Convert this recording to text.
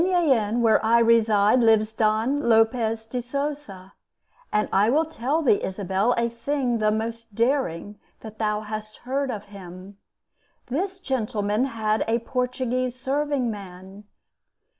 THE JOVIAL SUPPER In Jaen, where I reside, Lives Don Lopez de Sosa; And I will tell thee, Isabel, a thing The most daring that thou hast heard of him. This gentleman had A Portuguese serving man